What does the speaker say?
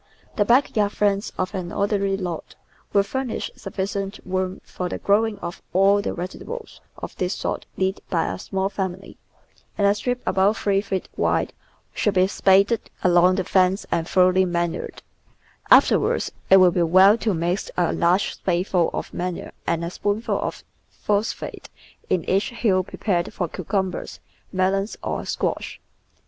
The. back yard fence of an ordinary lot will fur nish sufficient room for the growing of all the vegetables of this sort needed by a small family, and a strip about three feet wide should be spaded THE VEGETABLE GARDEN along the fence and thoroughly manured; after wards it will be well to mix a large spadeful of manure and a spoonful of phosphate in each hill prepared for cucumbers, melons, or squash.